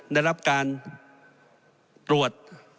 ได้รับการตรวจ